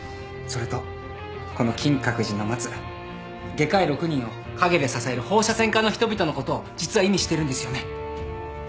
それとこの金閣寺の松外科医六人を陰で支える放射線科の人々のことを実は意味してるんですよね？